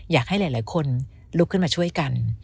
อยากให้หลายคนลุกขึ้นมาช่วยกัน